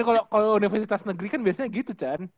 kalau universitas negeri kan biasanya gitu kan